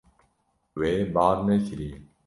Wê bar nekiriye.